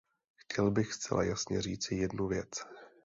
Chtěl bych zcela jasně říci jednu věc.